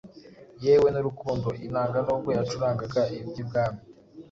yewe n’urukundo. Inanga ,nubwo yacurangaga iby’I Bwami,